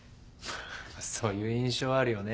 そういう印象あるよね。